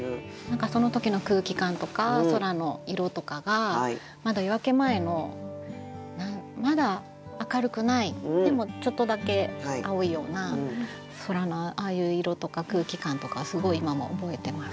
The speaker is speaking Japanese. その時の空気感とか空の色とかがまだ夜明け前のまだ明るくないでもちょっとだけ青いような空のああいう色とか空気感とかはすごい今も覚えてます。